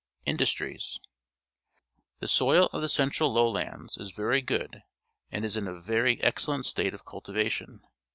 Industries. — The soil of the central Low lands is very good and is in a very excellent state of cultivation.